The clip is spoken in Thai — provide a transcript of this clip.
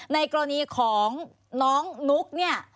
ในกรณีของน้องนุ๊กเนี่ย